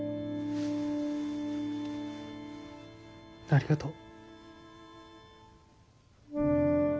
ありがとう。